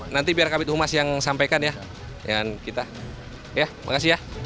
nanti biar kabit humas yang sampaikan ya